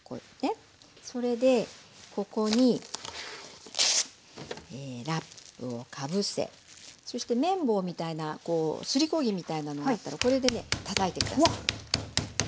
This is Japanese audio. それでここにラップをかぶせそして麺棒みたいなすりこ木みたいなのがあったらこれでねたたいて下さい。